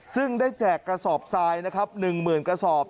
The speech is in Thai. ซึ่งได้แจกกระสอบทรายนะครับ๑๐๐๐กระสอบ